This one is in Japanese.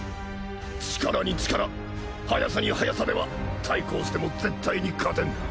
力に力速さに速さでは対抗しても絶対に勝てん。